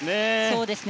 そうですね。